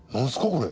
これ。